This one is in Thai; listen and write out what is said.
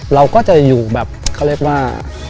เราก็จะอยู่แบบเขาเรียกว่า